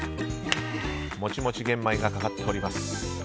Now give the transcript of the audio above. もちもち玄米がかかっております。